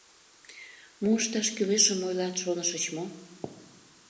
— Мо ышташ кӱлешым ойлат шонышыч мо?